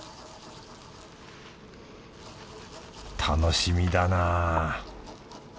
楽しみだな